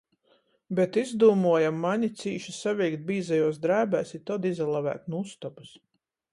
Bet izdūmojam mani cīši saviļkt bīzajuos drēbēs i tod izalaveit nu ustobys.